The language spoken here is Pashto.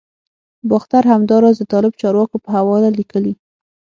باختر همداراز د طالب چارواکو په حواله لیکلي